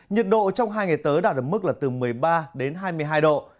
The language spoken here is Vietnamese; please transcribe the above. nhiệt độ trong hai ngày tới đạt được mức từ một mươi ba hai mươi hai độ